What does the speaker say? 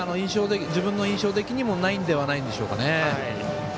自分の印象的にもないのではないでしょうかね。